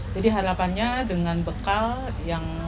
jadi harapannya dengan bekal yang